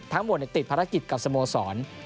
ทั้งหมดติดภารกิจกับสโมสร